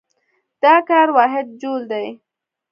د کار واحد جول دی.